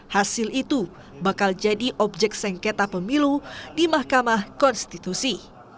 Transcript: hasil itu bakal jadi objek sengketa pemilu di mahkamah konstitusi